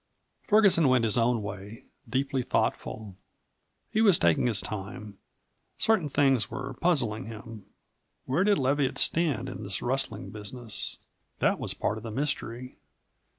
Ferguson went his own way, deeply thoughtful. He was taking his time. Certain things were puzzling him. Where did Leviatt stand in this rustling business? That was part of the mystery.